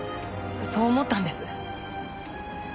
そう思ったんです。